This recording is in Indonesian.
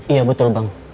iya betul bang